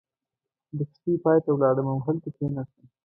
د کښتۍ پای ته ولاړم او هلته کېناستم.